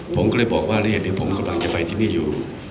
ผมก็เลยบอกว่าเรียกเดี๋ยวผมกำลังจะไปที่นี่อยู่